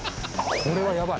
これはやばい。